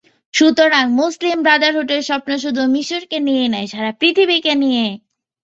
সুতরাং, মুসলিম ব্রাডারহুডের স্বপ্ন শুধু মিসরকে নিয়েই নয়, সারা পৃথিবীকে নিয়ে।